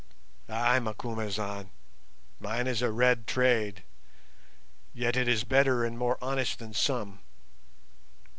"Ay, Macumazahn, mine is a red trade, yet is it better and more honest than some.